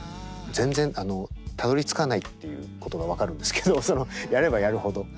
全然たどり着かないっていうことが分かるんですけどやればやるほど。